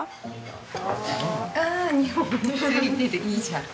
ああ２本もついてていいじゃん。